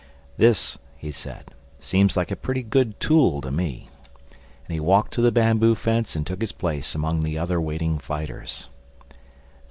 "This," he said, "seems like a pretty good tool to me." And he walked to the bamboo fence and took his place among the other waiting fighters.